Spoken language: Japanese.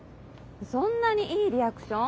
そんなにいいリアクション？